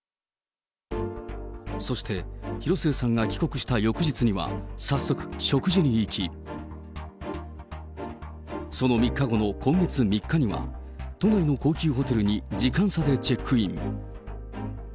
そして広末さんが帰国した翌日には、早速、食事に行き、その３日後の今月３日には、都内の高級ホテルに時間差でチェックイン。